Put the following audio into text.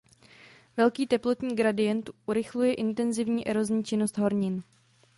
Velký teplotní gradient urychluje intenzivní erozní činnost hornin.